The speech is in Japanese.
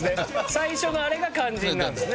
最初のあれが肝心なんですね。